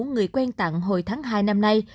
người quen tặng hồi tháng hai năm nay